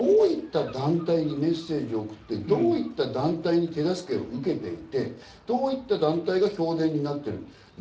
だけどイチ政治家として、どういった団体にメッセージを送って、どういった団体に手助けを受けていて、どういった団体が票田になっている。